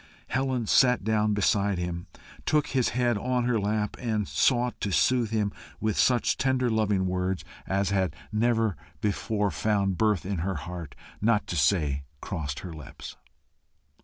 Helen sat down beside him, took his head on her lap, and sought to soothe him with such tender loving words as had never before found birth in her heart, not to say crossed her lips.